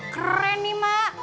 keren nih emak